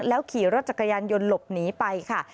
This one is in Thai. ขี่รถจักรยานยนต์หลบหนีไปค่ะ